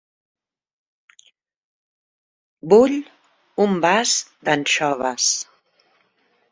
Vull un vas d'anxoves.